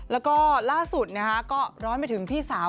แล้วก็ล่าสุดก็ร้อนไปถึงพี่สาว